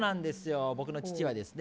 僕の父はですね